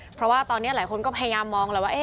เพราะว่าตอนนี้หลายคนก็พยายามมองแล้วว่า